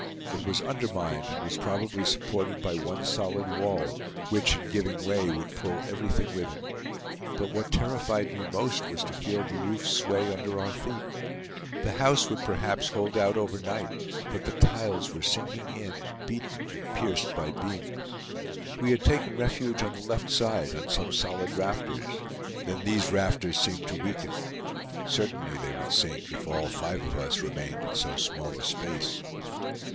It was undermined and was probably supported by one solid wall, which, in giving way, would pull everything with it. But what terrified me most was to feel the roof sway under our feet. The house would perhaps hold out overnight, but the tiles were sinking in, beaten and pierced by beams. We had taken refuge on the left side on some solid rafters. Then these rafters seemed to weaken. Certainly they would sink if all five of us remained in so small a space.